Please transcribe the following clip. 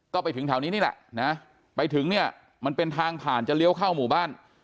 ก็ไปถึงแถวนี้นี่แหละนะไปถึงเนี่ยมันเป็นทางผ่านจะเลี้ยวเข้าหมู่บ้าน